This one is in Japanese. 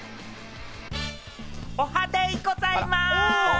おはデイございます！